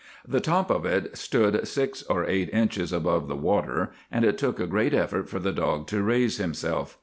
The top of it stood six or eight inches above the water, and it took a great effort for the dog to raise himself.